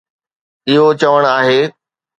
اهو چوڻ آهي.